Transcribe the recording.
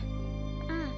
うん。